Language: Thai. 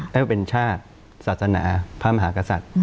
ให้เป็นชาติศาสนาพระมหากษัตริย์